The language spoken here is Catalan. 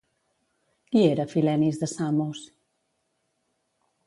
Qui era Filenis de Samos?